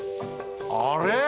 あれ？